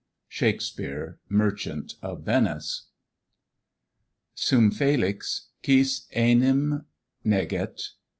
SHAKESPEARE, Merchant of Venice. Sum felix; quis enim neget?